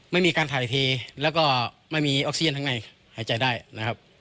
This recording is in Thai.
ไม่มีการถ่ายเทแล้วก็ไม่มีออกเซียนทั้งในหายใจได้นะครับ